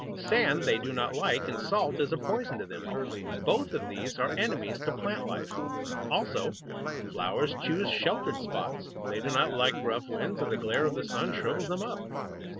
Sand they do not like, and salt is a poison to them. Both of these are enemies to plant life. Also, flowers choose sheltered spots. They do not like rough winds, and the glare of the sun shrivels them up.